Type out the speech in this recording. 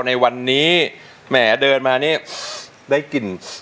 ในวันนี้แหมเดินมานี่ได้กลิ่น